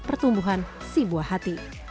dan pertumbuhan si buah hati